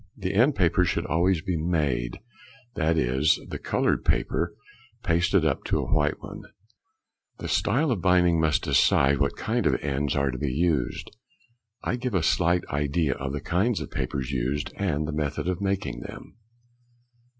_—The end papers should always be made, that is, the coloured paper pasted to a white one; the style of binding must decide what kind of ends are to be used. I give a slight idea of the kinds of papers used and the method of making them.